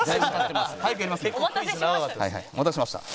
お待たせしました。